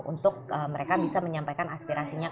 untuk mereka bisa menyampaikan aspirasinya